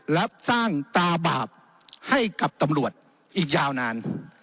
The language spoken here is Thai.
และสร้างตาบาปให้กับตำรวจอีกยาวนาน